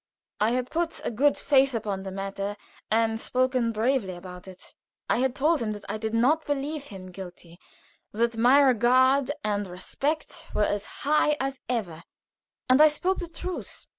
I had put a good face upon the matter and spoken bravely about it. I had told him that I did not believe him guilty that my regard and respect were as high as ever, and I spoke the truth.